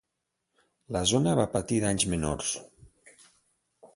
La zona va patir danys menors.